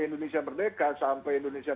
indonesia merdeka sampai indonesia